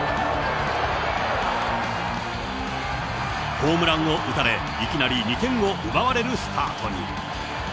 ホームランを打たれ、いきなり２点を奪われるスタートに。